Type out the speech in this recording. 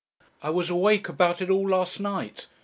I was awake about it all last night.